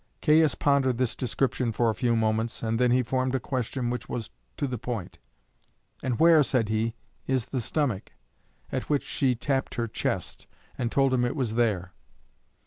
Caius pondered this description for a few moments, and then he formed a question which was to the point. "And where," said he, "is the stomach?" At which she tapped her chest, and told him it was there.